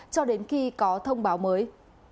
cho đến khi có thông tin